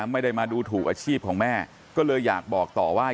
ไม่ได้มาดูถูกอาชีพของแม่ก็เลยอยากบอกต่อว่า